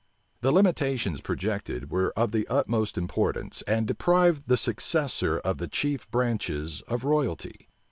The limitations projected were of the utmost importance and deprived the successor of the chief branches of royalty.